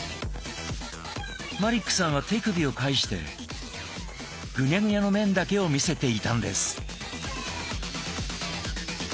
マリックさんは手首を返してグニャグニャの面だけを見せていたんです！